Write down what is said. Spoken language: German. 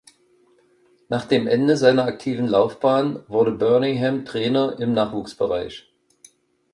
Nach dem Ende seiner aktiven Laufbahn wurde Birmingham Trainer im Nachwuchsbereich.